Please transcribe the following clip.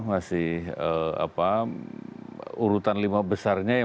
masih urutan lima besarnya